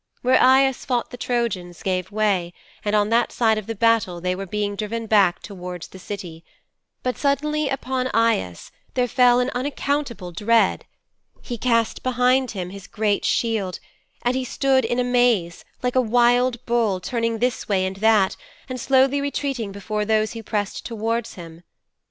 'Where Aias fought the Trojans gave way, and on that side of the battle they were being driven back towards the City. But suddenly upon Aias there fell an unaccountable dread. He cast behind him his great shield, and he stood in a maze, like a wild bull, turning this way and that, and slowly retreating before those who pressed towards him.